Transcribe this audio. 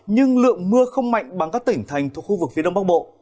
nhưng lượng mưa không mạnh bằng các tỉnh thành thuộc khu vực phía đông bắc bộ